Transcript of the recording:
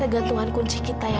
kalau kamu ingin mencari kejadian